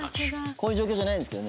「こういう状況じゃないんですけどね」